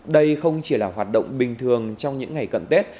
đây không chỉ là hoạt động bình thường trong những ngày cận tết